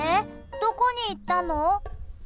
どこに行ったの？